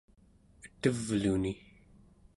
etevluni